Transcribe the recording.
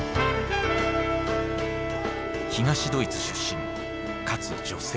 東ドイツ出身かつ女性。